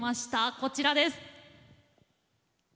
こちらです。